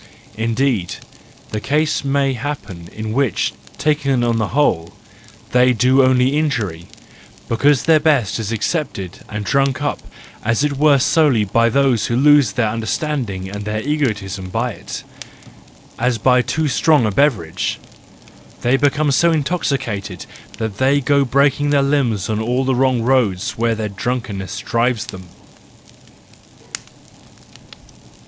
Indeed, the case may happen in which, taken on the whole, they only do injury, because their best is accepted and drunk up as it were solely by those who lose their understanding and their egoism by it, as by too strong a beverage \ they become so intoxicated that they go breaking their limbs on all the wrong roads where their drunkenness drives them.